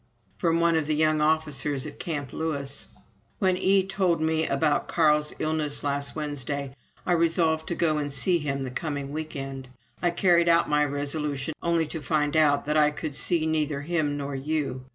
From one of the young officers at Camp Lewis: "When E told me about Carl's illness last Wednesday, I resolved to go and see him the coming week end. I carried out my resolution, only to find that I could see neither him nor you.